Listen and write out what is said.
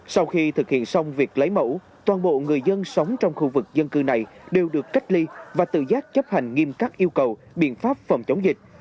sau khi thực hiện xong việc lấy mẫu toàn bộ người dân sống trong khu vực dân cư này đều được cách ly và tự giác chấp hành nghiêm các yêu cầu biện pháp phòng chống dịch